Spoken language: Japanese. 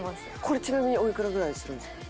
これちなみにおいくらぐらいするんですか？